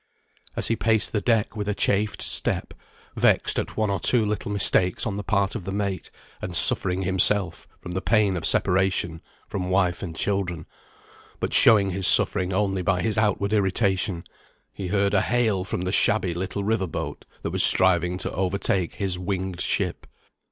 As he paced the deck with a chafed step, vexed at one or two little mistakes on the part of the mate, and suffering himself from the pain of separation from wife and children, but showing his suffering only by his outward irritation, he heard a hail from the shabby little river boat that was striving to overtake his winged ship.